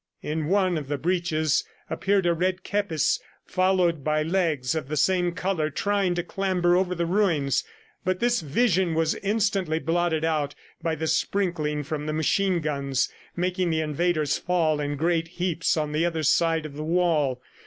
In one of the breaches appeared a red kepis followed by legs of the same color trying to clamber over the ruins. But this vision was instantly blotted out by the sprinkling from the machine guns, making the invaders fall in great heaps on the other side of the wall.